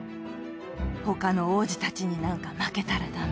他の王子たちになんか負けたらダメ。